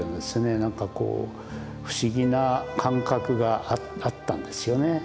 何かこう不思議な感覚があったんですよね。